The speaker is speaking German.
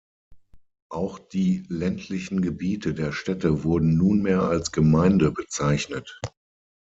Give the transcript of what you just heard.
Auch die ländlichen Gebiete der Städte wurden nunmehr als Gemeinde bezeichnet.